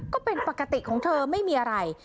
ก็เป็นปกติของเธอไม่มีอะไร